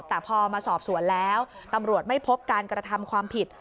แต่พอมาสอบสวนแล้วตำรวจไม่พบการกระทำความผิด